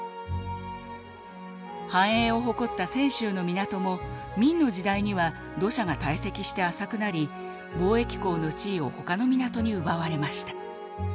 繁栄を誇った泉州の港も明の時代には土砂が堆積して浅くなり貿易港の地位をほかの港に奪われました。